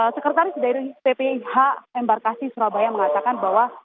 sekretaris dari ppih embarkasi surabaya mengatakan bahwa